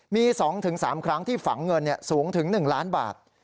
มี๒๓ครั้งที่ฝังเงินสูงถึง๑ล้านบาท